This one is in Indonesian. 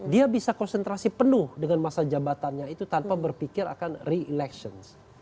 dia bisa konsentrasi penuh dengan masa jabatannya itu tanpa berpikir akan re elections